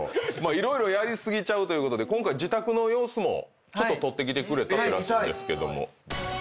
色々やり過ぎちゃうということで今回自宅の様子も撮ってきてくれたらしいんですけども。